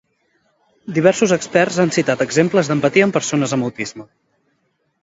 Diversos experts han citat exemples d'empatia en persones amb autisme.